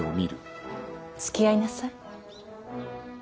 つきあいなさい。